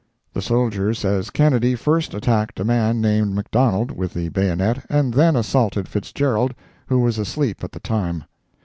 The soldier says Kennedy first attacked a man named McDonald, with the bayonet, and then assaulted Fitzgerald, who was asleep at the time.